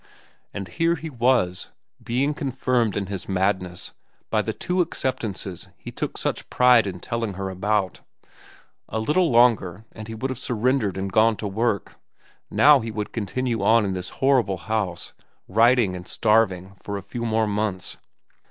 And here he was, being confirmed in his madness by the two acceptances he took such pride in telling her about. A little longer and he would have surrendered and gone to work. Now he would continue on in this horrible house, writing and starving for a few more months.